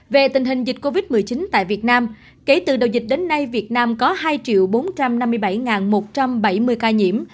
về tình hình dịch covid một mươi chín tại việt nam kể từ đầu dịch đến nay việt nam có hai bốn trăm năm mươi bảy một trăm bảy mươi ca nhiễm